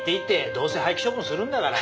どうせ廃棄処分するんだから。